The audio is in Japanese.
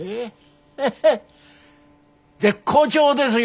ヘヘ絶好調ですよ！